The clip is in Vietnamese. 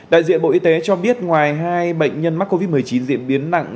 đại diện bộ y tế cho biết ngoài hai bệnh nhân mắc covid một mươi chín diễn biến nặng